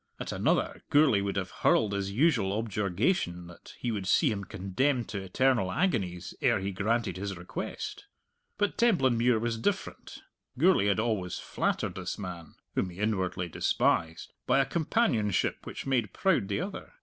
At another, Gourlay would have hurled his usual objurgation that he would see him condemned to eternal agonies ere he granted his request! But Templandmuir was different. Gourlay had always flattered this man (whom he inwardly despised) by a companionship which made proud the other.